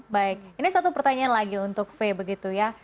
baik ini satu pertanyaan lagi untuk faye begitu ya